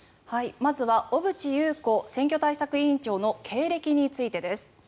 まずは小渕優子選挙対策委員長の経歴についてです。